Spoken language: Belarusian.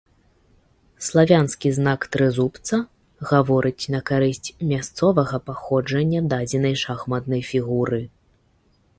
Славянскі знак трызубца гаворыць на карысць мясцовага паходжання дадзенай шахматнай фігуры.